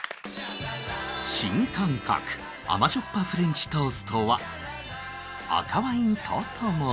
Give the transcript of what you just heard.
新感覚甘塩っぱフレンチトーストは赤ワインと共に